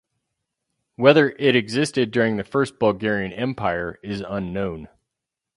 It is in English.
Whether it existed during the First Bulgarian Empire is unknown.